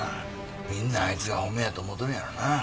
みんなあいつが本命やと思うとるんやろな。